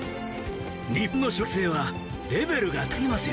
日本の小学生はレベルが高すぎますよ。